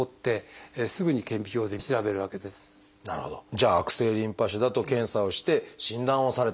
じゃあ悪性リンパ腫だと検査をして診断をされたと。